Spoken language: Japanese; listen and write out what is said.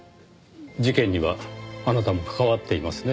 事件にはあなたも関わっていますね？